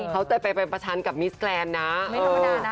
เขาเติดไปเป็นประชาญกับมิสแกรนนะ